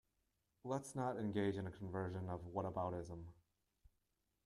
Let's not engage in a conversion of what about-ism.